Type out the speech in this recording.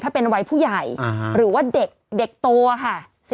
ถ้าเป็นวัยผู้ใหญ่หรือว่าเด็กโตค่ะ